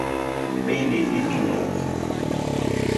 Benedito Novo